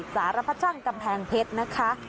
สารพระช่างกำแพงเพชรนะคะ